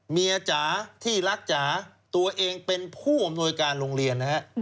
จ๋าที่รักจ๋าตัวเองเป็นผู้อำนวยการโรงเรียนนะฮะ